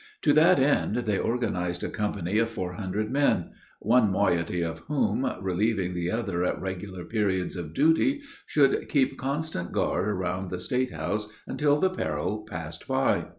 To that end, they organized a company of four hundred men; one moiety of whom, relieving the other at regular periods of duty, should keep constant guard around the state house until the peril passed by.